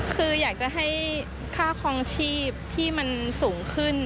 คืออยากจะให้ค่าคลองชีพที่มันสูงขึ้น